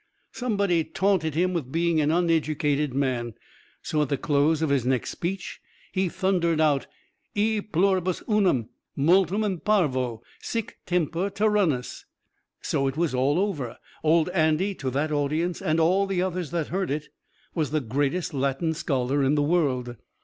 Somebody taunted him with being an uneducated man, so at the close of his next speech he thundered out: E pluribus unum! Multum in parvo! Sic semper tyrannis! So it was all over. Old Andy to that audience, and all the others that heard of it, was the greatest Latin scholar in the world."